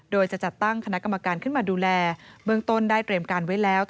โดยจะจัดตั้งคณะกรรมการขึ้นมาดูแลเบื้องต้นได้เตรียมการไว้แล้ว